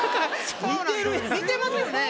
似てますよね？